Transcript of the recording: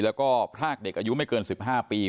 แล้วก็พรากเด็กอายุไม่เกิน๑๕ปี